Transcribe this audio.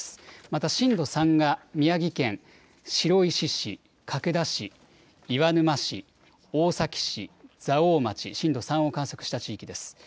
また震度３が宮城県、白石市、角田市、岩沼市、大崎市、蔵王町、震度３を観測した地域です。